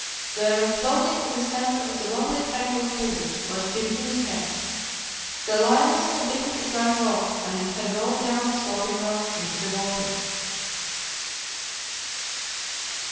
There, floating in the centre of the lovely tranquil pool, was Jim Jim's head. The lioness had bitten it right off, and it had rolled down the sloping rock into the water."